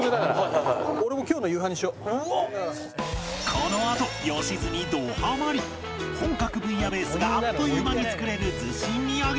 このあと良純どハマり本格ブイヤベースがあっという間に作れる逗子土産